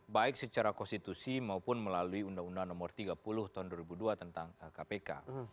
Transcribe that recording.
baik secara konstitusi maupun melalui undang undang nomor tiga puluh tahun dua ribu dua tentang kpk